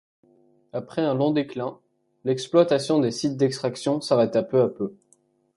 Après un long déclin, l'exploitation des sites d'extraction s'arrêta peu à peu.